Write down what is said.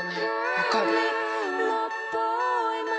分かる。